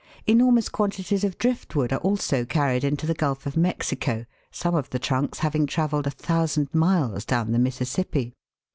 Enormous quantities of drift wood are also carried into the Gulf of Mexico, some of the trunks having travelled 1,000 miles down the Mississippi.